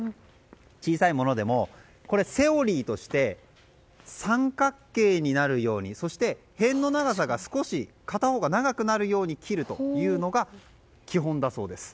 小さいものでもセオリーとして三角形になるようにそして、辺の長さが少し片方が長くなるように切るというのが基本だそうです。